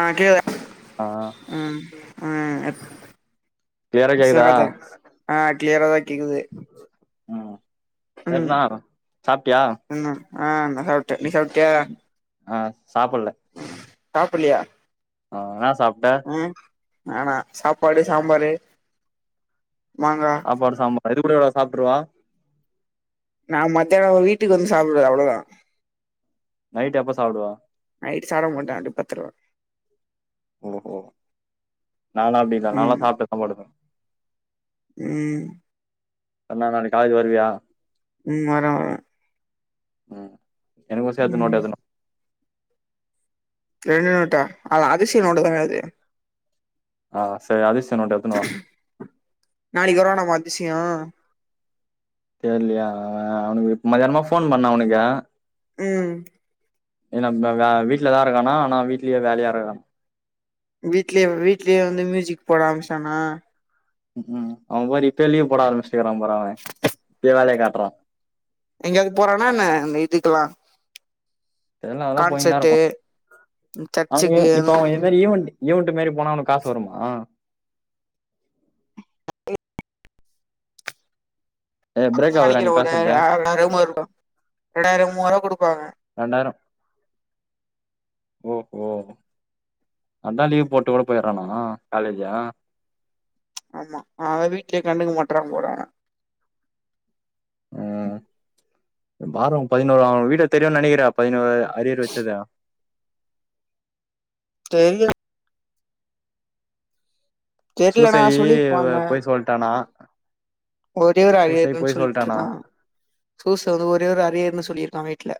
ஆ கீழ ஆ ம் ம் எத் கிளியரா கேக்குதா சொல்றாத்த ஆ கிளியரா தா கேக்குது ம் ம் சரிண்ணா சாப்ட்டியா என்ன ஆ நா சாப்ட நீ சாப்டியா அ சாப்புல்ல சாப்புல்லியா ஆ என்ன சாப்ட்ட நானா சாப்பாடு சாம்பாரு மாங்கா சாப்பாடு சாம்பார் இது கூட வேற ஏதாவது சாப்ட்டுருவா நா மத்யாணோ ஒ வீட்டுக்கு வந்து சாப்டுவே அவ்ளோதா நைட் எப்ப சாப்புடுவா நைட்டு சாப்டா மட்டே அப்டி பட்த்துருவே ஓஹோ நாலா அப்டிதா நல்லா ம் சாப்ட்டு தா படுப்பே ம் என்னா நாளைக்கு காலேஜ் வருவியா ம் வரே வரே ம் எனக்கு சேத்து நோட்டு ம் எட்துனு வா ரெண்டு நோட்டா அது அதிஷ்ய நோட்டு தான அது ஆ செரி அதிஷ்ச நோட்ட எட்த்துனுவா வ அதிசியோ தெர்லியா அவனுக்கு மதியானமா ஃபோன் பண்ண அவனுக்கு ம் எனா ப வே வீட்லதா இருக்கானா ஆனா வீட்லயே வேலையா இருக்கானா வீட்லியே வீட்லியே வந்து மியூசிக் போட ஆரமிச்சிட்டாணா ம் அவ பாரு இப்பேயே லீவ் போட ஆரமிஸ்ட்டுக்றா பாரு அவே இப்பியே வேலைய காட்றா எங்கேயாவது போறானா என்ன அந்த இதுக்குல்லா தெர்ல அதுலா போய்ன் தா இருப்பா அவெங்க் வே சர்ச்சுக்கு அந்த இப்ப மாரி அவ எதோ லியோ வண்டி யூன்ட்டு் மாரி போனா அவனுக்கு காஸ் வருமா ஏ பொறந்த பிரேக் ஆகுதுடா நீ நாளைக்கு ஒரு பேசுறது ஆயிர ரெண்டாயிரமோ இருக்கு ரெண்டாயிரோ மூவாயிரூவா குடுப்பாங்க [inaudible] ஓ ஹோ அதா லீவ் போட்டு கூட போய்றனா ஆ காலேஜா ஆமா அவ வீட்லியே கண்டுக்க மாட்றாங்க போல பாரோ பதினோரு அவ வீட்ட தெரியுன் நெனைக்கிற பதினோரு அரியர் வச்சது அவ தெரியு தெர்லனா சூசை சொல்லிருப்பான்ல போய் சொல்ட்டானா ஒரே ஒரு ஆரியர்னு சொல்லிட்டானா சொல்ட்டுருக்கா சூச வந்து ஒரே ஒரு ஆரியர்னு சொல்லிர் அவ வீட்ல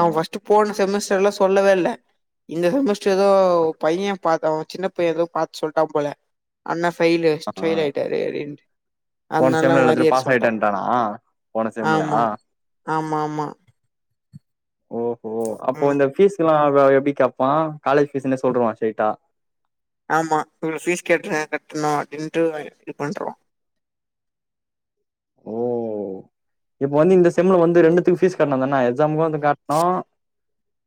அவ ஃபஸ்ட் போன செமஸ்டர்லா சொல்லவே இல்ல இந்த செமஸ்டர் எதோ பைய பாத்தோ சின்ன பைய ஏதோ பாத் சொல்ட்டா போல அண்ணா ஃபெயிலு ஆ ஃபெயில் ஆய்ட்டாரு அப்டின்டு போன அத்னால செம்ல எல்லாத்துலயும் மாரியரு பாஸ் சொல்டான் ஆயிட்டேன்ட்டானா போன செம்ல ஆமா ஆமாம்மா ஓஹோ அப்போ இந்த ஃபீஸ்ஸுலா வரு எப்டி கேப்பான் காலேஜ் ஃபீஸ்னே சொல்டுவான் ஸ்ட்ரைட்டா ஆமா இவ்ள ஃபீஸ் கெட்றேன் கெட்டுனு ரின்ட்டு வாங்கி இது பண்றோ ஓ இப்ப வந்து இந்த செம்ல வந்து ம் ரெண்டுத்துக்கு பீஸ் கட்னு தான சம்க்கு வந்து கட்னோ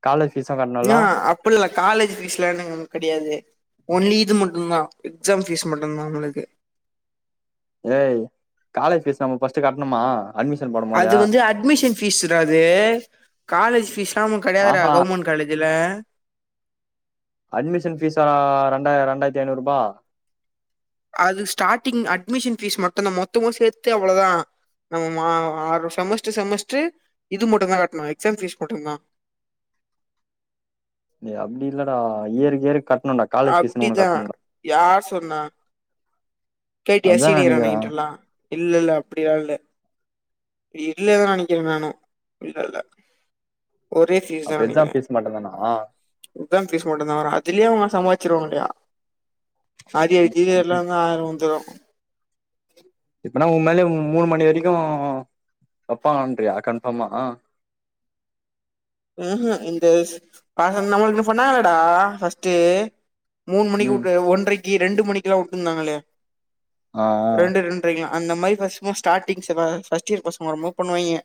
காலேஜ் ஃபீஸு கட்ணுல்ல நா அப்புல்ல காலேஜ் ஃபீஸ்லன நமக் கெடையாது ஒன்லி இது மட்டுந்தா எக்ஸாம் ஃபீஸ் மட்டுந்தா உங்ளுக்கு ஏய் காலேஜ் ஃபீஸ் நம்ம பஸ்ட்டு கட்ணுமா அட்மிஷன் போடும் போது அது வந்து அட்மிஷன் ஃபீஸுடா அது காலேஜ் ஃபீஸ்லா நமு கடையாதுடா ஆஹா கவுர்மெண் காலேஜுல அட்மிஷன் பீஸாடா ரெண்டா ரெண்டாய்ர்த்தி ஐநூருபா அது ஸ்டாடிங் அட்மிஷன் ஃபீஸ் மட்டுந்தா மொத்தமு சேத்து அவ்ளதா நம்ம மா ஆறு செமஸ்ட்டு செமஸ்ட்டு இது மட்டுந்தா கட்ணு எக்ஸாம் ஃபீஸ் மட்டுந்தா எ அப்டி இல்லடா இயர்கு இயரு கட் ணுண்டா காலேஜ் ஃபீஸ்னு ஒண்ணு அப்டிதா கட்ணுடா யார் சொன்னா கேட்டியா சீனியர் அண்ண கிட்டல்லா இல்லல்ல அப்டிலா இல்ல இல்ல நணிக்கிற நானு இல்லல்ல ஒரே ஃபீஸ் அப்ப தா நனைக்கிற எக்ஸாம் ஃபீஸ் மட்டுந்தானா எக்ஸாம் ஃபீஸ் மட்டுந்தா வரு அதுல்யு அவுங்லா சமாச்சிருவாங்கலையா அரியர் இக்கிது எல்லாந்தா ஆறு வந்துரு இப்பனா உம்மேல்யு மூணு மணி வரைக்கு வப்பாங்கன்றியா கன்ஃபாமா அஹ இந்த பாகம் நம்ளுக்மே பணணாங்கடா ஃபஸ்ட்டு மூண் மணிக்கு ம் உட்டு ஒன்றைக்கு ரெண்டு மணிக்குலா உட்டுந்தாங்கலே ஆ ஆ ரெண்டு ரெண்ரைக்குலா அந்த மாரி பஸ்மா ஸ்டாட்டிங்ஸ் எதாது ஃபர்ஸ்ட் இயர் பசங்க வருமோது பண்ணுவாய்ங்க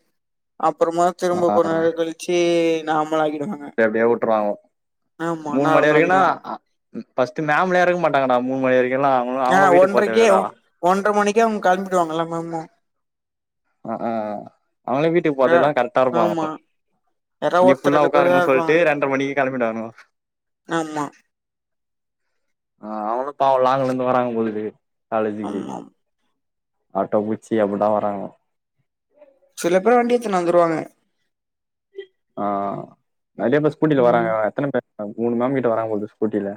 அப் அப்புறமா திரும்ப ஆ கொன் நாள் கழிச்சி நாம் எப்டியா உட்ருவாங்க ஆமா மூண் மணி நார்மல் வரைக்குனா ஆக்கிடுவாங்க அ ம் பஸ்ட்டு மேம்லா இருக்க மாட்டாங்கடா மூண் மணி வரை ஆ ஒன்றைக்கே ஒன்ற மணிக்கே அவ்ங் கெள்ம்டுவாங்க எல்லா மாமு ஆ அ ஆ அவுங்ளே வீட்டுக் ஆ போர்தெல்லா கருட்டா இருப்பாங்க ஆமா யாரா இன்னி ஒருத்தர் ஃபுல்லா ரெண்டு பேர் தா உக்காருங்க இருப்பாங்க சொல்ட்டு ரெண்ர மணிக்கு கெளம்பிட்டான்வோ மா ஆ அவனு பாவோ லாங்ல இருந்து வராங்க போழுது காலேஜுக்கு ஆமா ஆட்டோ புட்ச்சி அப்டிதா வராங்க சில பேர் வண்டி எத்துனு வந்துருவாங்க ஆ நெறைய பேர் ஸ்கூட்டில ம் வராங்க எத்தன பேர் மூணு மாம் கிட்ட வராங்க இது ஸ்கூட்டில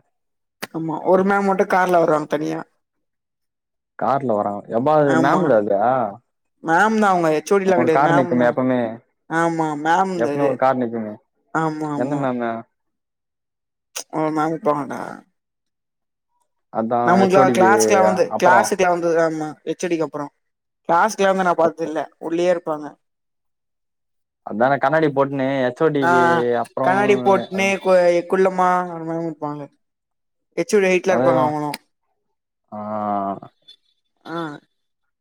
ஆமா ஒரு மேம் மட்டு கார்ல வருவாங்க தனியா கார்ல வராங்க எம்மா அது மாம்ல வர்லயா மாம் தா அவுங்க ஹெச் ஓ டிலா கெடையாது மாம் தா எப்பவுமே ஆமா மாம்தா எப்பவுமே இது ஒரு கார் நிக்குமே எந்த ஆமாம்மா மேமு ஒரு மாம் இருப்பாங்கடா அதா ஹெச் நம்ளுக்குலா ஓ டிக்கு க்ளாஸ்குலா வந்து அப்புறோ கிளாஸுக்குலா வந்துது ஆமா ஹெச் ஓ டிக்கு அப்றோ பாஸ்கில்லாம நா பாத்து இல்ல உள்ளயே இருப்பாங்க அதான கண்ணாடி போட்னு எச் ஓ ஆ டிக்கு அப்றோ கண்ணாடி வே அதா போட்னு கு குள்ளமா அந் மாதி இர்ப்பாங்க ஹெச் ஓ டி ஹைட்ல அது இருப்பாங்க அவுங்களு ஆ ஆ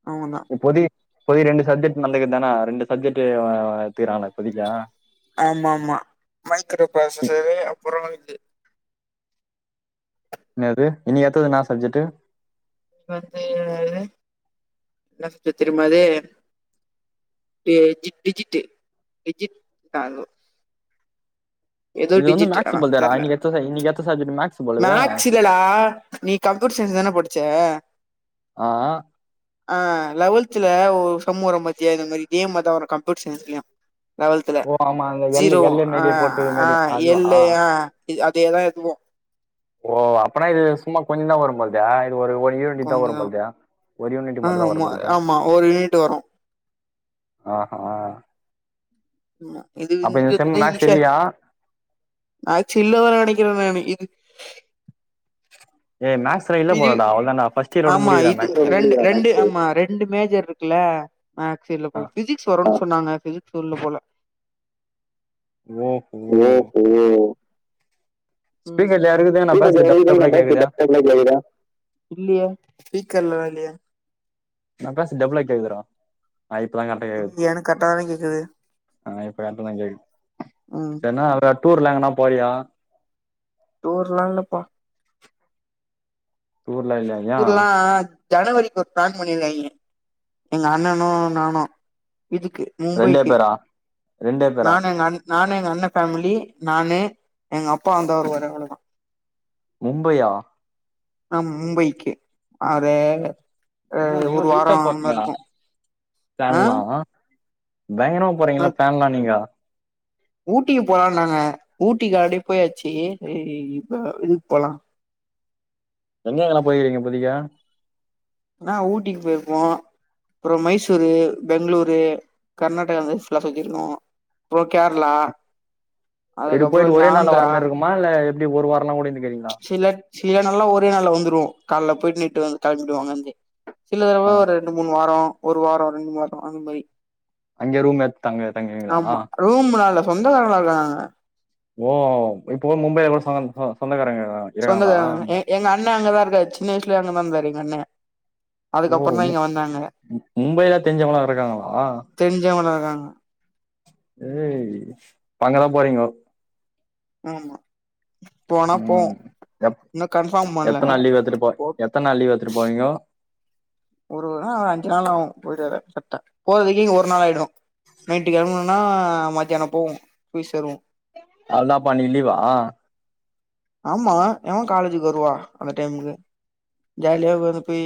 அவுங்கதா இப்பொதி பொதி ரெண்டு சப்ஜெக்ட் மண்டைகதானா ரெண்டு சப்ஜெட்டு அவன் அவ எட்த்துக்குறாங்க புதிதா ஆமா ஆமா மைக்ரோ ப்ராசசரு அப்றோ இது என்னது இனி அட்த்தது என்னா சப்ஜெக்டு வந்து என்ன சப்ஜெக்ட் தெரிமா அது டி ஐ டிஜிட்டு டிஜிட் தா அதுவு ஏதோ இது வந்து டிஜிட் மேக்ஸ் ஆனா போல்தேடா தெர்ல இன்னைக்கு எத்த இன்னைக்கு எத்த சப்ஜெக்ட் மேக்ஸ் போலவே மக்ஸ் இல்லடா நீ கம்ப்யூ கூட்டு சேந்துதான படிச்ச அ ஆ ஆ லெவெல்த்ல ஒரு சம் வரும் பாத்தியா இந்த மாரி இதேமாரிதா வரு கம்ப்யூட்டர் சயின்ஸ்லயு லெவல்தல ஓ ஆமா அந்த எல் ஜீரோ எல்ல ஆ மாரி போட்டு ஆ மாரி அதுவா எள்ளு ஆ அதேதா இதுவு ஓ அப்பனா இது சும்மா கொஞ்சதா வரும்போல்தே ஒரு ஒரு யூனிட்தா வரும் கொஞ்சம் பாக்குறிய ஒரு யூனிட் மட்டுந்தா ஆமா வரபோகுதா ஆமா ஒரு யூனிட் வரும் ஆ ஆ ம் இது [unintelligible] இப்பதா மேக்ஸ் ஈசியா இல்லையா நா சொல்லவர நெனைக்கிற நானு இது சில இல்ல இது போலடா அவ்ளோதாண்டா ஆமா இது ரெண்டு ரெண்டு ஆமா ரெண்டு மேஜர் இருக்குல மேக்ஸ் இல்ல ஆ போல பிசிக்ஸ் வருடா சொன்னாங்க பிசிக்ஸ் சொல்ல போல ஓஹோ ஓ ஓஹோ ம் ஸ்பீக்கர்ல இருக்குது நா பேசுறது டப் டபுளா கேக்குதா இல்லையே நா பேசு டபளா கேக்குதுற ஆ இப்பதா கர்டா கேக்குது இல்லையே எனக்கு கரெக்டா தானே கேக்குது ஆ இப்ப கர்டாதா கேது ம் சரின்னா டூர்ல எங்கன்னா போறியா டூர்லா இல்லப்பா டூர்லா இல்லயா டூர்லா ஜனவரிக்கு ஒரு ப்ளான் பன்னிருகாய்ங்க எங்க அண்ணனு நானு இதுக்கு ரெண்டே மும்பைக்கு பேரா ரெண்டே பேரா நானு எங் அண் நானு எங்க அண்ண ஃபேமிலி நானு எங்கப்பா வந்த வருவாரு அவ்வளதா மும்பையா நா மும்பைக்கு அற ஒரு வார ஆ இருக்கு ஆ பேன்லா வா பயங்கரமா போறீங்களா பேன்லா நீங்க ஊட்டிக்கு போலா நாங்க ஊட்டிக்கு ஆல்ரடி போயாச்சு இப்ப இதுக்கு போலா எங்க எங்கலா போயிறுக்கீங்க இப்போதக்கு அதா ஊட்டிக்கு போயிருக்கோ அப்புறம் மைசூரு பெங்களூரு கர்நாடகா வந்து ஃபுல்லா சுத்திருக்கோ இப்போ கேரளா இது அதுக்கப்பற போயிட்டு இந்த ஒரே நாள்ல ஆந்திரா வர மாரி இருக்குமா இல்ல எப்டி ஒரு வாரலா கூட இருந்துக்கிறீங்களா சில சில நாள்லா ஒரே நாள் வந்துருவோ கால்ல போயிட்டு நைட்டு வந்து கிளம்பிடுவாங்கந்து சில தடவ ஆ ஒரு ரெண்டு மூணு வாரோ ஒரு வார ரெண்டு வார அந்த மாரி அங்க ரூம் எடுத்து தங்க தங்குவீங்களா ஆம்மா ரூம்லால்ல சொந்த கார இருக்காங்க அங்க ஓ இப்போ மும்பைய கூட [unintelligible] சொந்தக்காரங்க இருக்காங்களா சொந்தகார அங்க எங் எங்கண்ண அங்கதா இருக்கா சின்ன வயசுலயே அங்கதா இருந்தாரு எங்கண்ண ஓ அதுக்கப்பறந்தா இங்க வந்தாங்க மும்பைல தெரிஞ்சவங்களா இருக்காங்களா தெரிஞ்சவங்கதா ஆ ஏய் இப்ப அங்கதா போறீங்கோ ஆமா போனா போவோ ம் எப் இன்னு கன்ஃபார்ம் பண்ல எத்த நாள் லீவ் எத்துட்டு போ ஒரு எத்தனை நாள் லீவ் எத்துட்டு போவீங்கோ ஒரு அஞ்சு நாள் ஆகு போயிட்டு வர‌ கரட்டா போறதுக்கே இங்க ஒரு நாள் ஆயிடு நைட்டு கெழம ஆ மத்தியான போவோ போய் சேருவோ அவ்ளாதாப்பா இன்னக்கி லீவா ஆமா எவ காலேஜிக்கு வருவா அந்த டைமுக்கு ஜாலியா ந்து போயி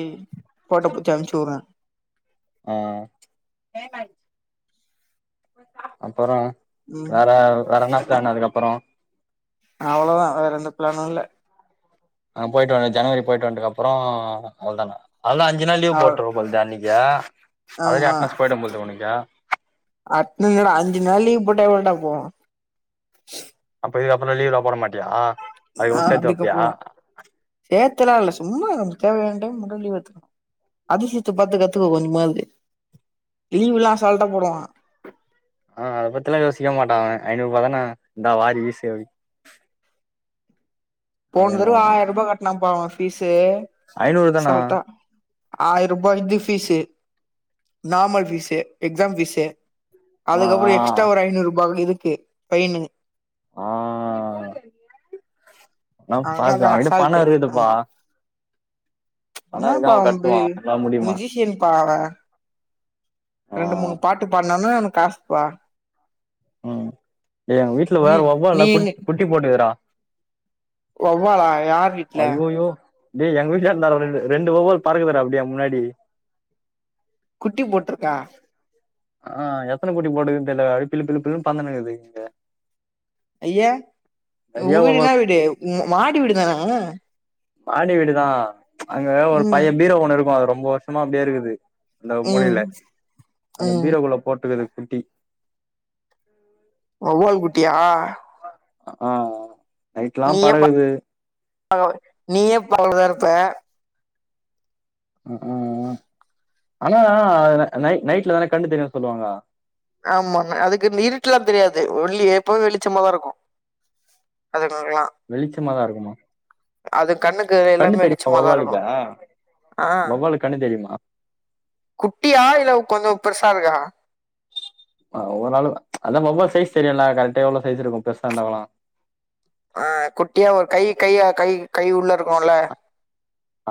போட்டோ புட்ச்சு அனுப்ச்சு உட்ர ஆ ஆ அப்பறோ ம் வேற வேற என்னா ப்ளானு அதுக்கப்பறோ அவ்ளதா வேற எந்த பிளானு இல்ல அங்க போயிட்டு வந்த ஜனவரி போயிட்டு வன்ட்டதுக்குப்புறோ அவ்ள்தானா அததுதா அஞ்சு நாள் லீவ் அவ போட்ருவ போல தெரிதே அன்னக்கி யா ஆமா அட்த் [unintelligible] அஞ் சு நாள்‌ லீவ் போட்டா எவ்ள்ட்டா போவூ இப்ப இதுக்கப்புற லீவ்ல்லா போட மாட்டியா ஆ அதுக்கப்பறோ சேத்து வப்பியா அதுக்கப்புறோ சேத்தலா இல்ல சும்மா தேவயாண்ட டயம் முதல் லீவூ எட்த்துக்கணு அதிசித்த பாத்து கத்துக்கோ கொஞ்ச மாவுது லீவுல்லா அசால்ட்டா போடுவா ஆ அத பத்தில்லா யோசிக்க மாட்டான் அவ ஐநூர்பா தான இந்தா வாரி வீசு அப்டின் போனதரவ ஆயிரம் ரூபா கட்னாபா அவ ஃபீஸூ ஐநூறு தானா அசால்ட்டா ஆயிர ரூபாய் இத் ஃபீஸு நார்மல் பீஸு எக்ஸாம் ஃபீஸ்ஸே ஆ அதுக்கப்புற ஆ எக்ஸ்ட்ரா ஒரு ஐநூறுபாக்குனு இதுக்கு ஃபைனு ஆ ஆனா அதெல்லா பாசு அது அவங்கிட்ட பண அசால்ட்டு இருக்குதுப்பா ஆமா பணோ இருக்கு என்னாப்பா அவ ‌வொம்பு கட்டுவா அவனால முடியுமா மிஜ்சியன்பா அவ ஆ ரெண்டு மூண்ணு பாட்டு பாட்னான்னா அவ்னுக் காஸ்ப்பா ம் டேய் அவ்ங்க வீட்ல வேற நீ வவ்வாள்ளா குட் நீங்க குட்டி போட்க்குடா வவ்வாலா யார் வீட்ல ஐயோயோ டேய் எங்க வீட்டான்ட ரெண் ரெண்டு வவ்வால் பறக்குதுடா அப்டியே எ முன்னாடி குட்டி போட்ருக்கா ஆ எத்தன குட்டி போட்டுக்குதுனு தெர்ல அப்டியே பில்பில்லு பறந்துக்குனு கீது இங்க ஐயே நெறைய உங் வீடு என்னா வவ்வால் வீடு உங் மாடி வீடு தானே மாடி வீடுதா அங்க ஒரு ம் பழய பீரோ ஒண்ணு இருக்கு அது ரொம்ப வருஷமா அப்டியே இருக்குது அந்த ம் மூலயில அந்த ம் பீரோகுள்ள போட்டுக்கீது குட்டி வவ்வால் குட்டியா ஆ ஆ நைட்ல்லா நீயே பா பறக்குது நீயே பகதுதா இருப்ப ம் ஆனா நை நைட்ல தானே கண்ணு தெரியுன்னு சொல்லுவாங்கோ ஆமா அதுக்கு இந்த இருட்லா தெரியாது வொள்ளி எப்பவு வெளிச்சமதா இருக்கு அதுக் வெளிச்சமாதா இருக்குமா அது கண்ணுக்கு கண்ணு எல்லாமே தெரியுமா வெளிச்சமாதா இருக்கு வவ்வாலுக்கா ஆ வவ்வாலுக்கு கண்ணு தெரியுமா குட்டியா இல்ல கொஞ்சே பெருசா இருக்கா அ ஓரளவுக்கு அதா வவ்வால் சைஸ் தெரியூலா கரெக்டா எவ்ளே சைஸ் இருக்கு பெருசா இருந்தாக்கூட ஆ குட்டியா ஒரு கை கைய கை கை உள்ள இரூக்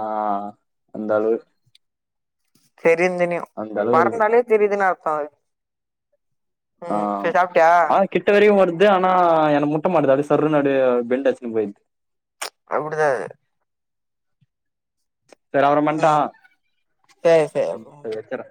ஆ அந்தளுவு தெரியு தெரியு இருக்கு பறந்தாலே தெரியுதுன்னு அர்த்த அதுக் ஆ ஆனா கிட்ட வரைக்கு வர்து ஆனா என முட் ட்ட மாட்டுது அப்டியே சர்ருன்னு அப்டியே பெண்டடிச்சுகினு போயிடுது அப்டிதா அது சேரி அப்ரம் பன்ட்டா ம் சரி சரி சேரி வெச்சிற்றோ